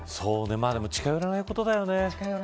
でも近寄らないことだよね。